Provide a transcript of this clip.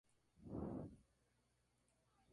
Tiene el certificado de calidad Protocolo Q-Plus.